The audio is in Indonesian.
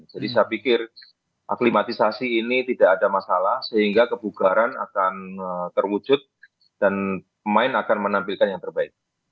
jadi saya pikir aklimatisasi ini tidak ada masalah sehingga kebugaran akan terwujud dan pemain akan menampilkan yang terbaik